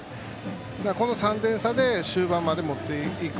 この３点差で終盤まで持っていく。